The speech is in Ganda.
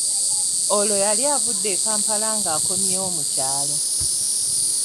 Olwo yali avudde e Kampala ng'akomyewo mu kyalo.